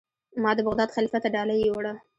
ما د بغداد خلیفه ته ډالۍ یووړه.